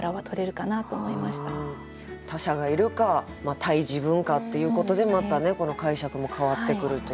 他者がいるか対自分かっていうことでまたねこの解釈も変わってくるという。